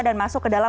dan masuk ke dalam